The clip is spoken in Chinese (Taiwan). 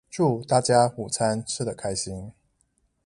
祝大家午餐吃的開心